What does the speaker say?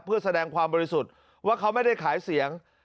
เพื่อแสดงความบริสุทธิ์ว่าเขาไม่ได้ขายเสียง